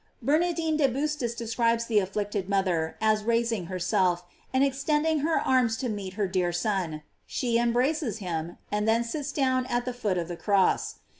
Bernardino de Bustis describes the afflicted mother as raising herself, and extending her arms to meet her dear Son; she embraces him, and then sits down at the foot of the cross.